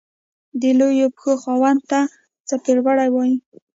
د لويو پښو خاوند ته څپړورے وائي۔